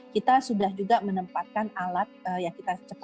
kita sudah juga menempatkan alat yang kita sebut sebagai